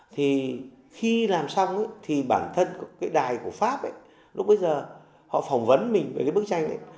thì khi làm xong thì bản thân cái đài của pháp ấy lúc bây giờ họ phỏng vấn mình về cái bức tranh đấy